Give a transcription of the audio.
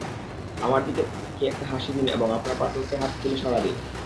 আমার দিকে তাকিয়ে একটা হাসি দিন এবং আপনার পার্টনারকে হাত তুলে সাড়া দিন।